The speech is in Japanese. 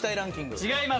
違います。